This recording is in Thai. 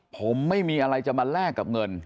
ผมไม่มีอะไรจะมาแลกกับเงิน